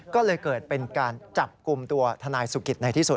ก็เลยเกิดเป็นการจับกลุ่มตัวทนายสุกิตในที่สุด